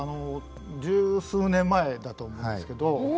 十数年前だと思うんですけど。